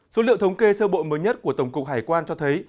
số liệu thống kê sơ bộ mới nhất của tổng cục hải quan cho thấy